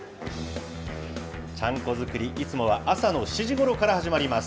ちゃんこ作り、いつもは朝の７時ごろから始まります。